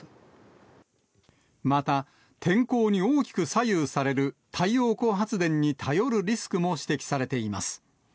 また、天候に大きく左右される太陽光発電に頼るリスクも指摘されています。